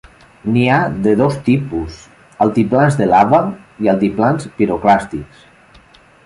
N'hi ha de dos tipus: altiplans de lava i altiplans piroclàstics.